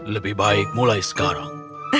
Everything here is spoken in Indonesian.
lebih baik mulai sekarang